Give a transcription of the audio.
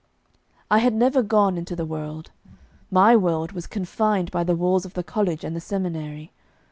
I had never gone into the world. My world was confined by the walls of the college and the seminary.